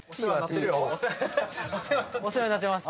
・お世話になってます。